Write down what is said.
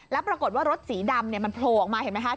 แล้วปรากฏว่ารถสีดำมันโผล่ออกมาเห็นไหมคะ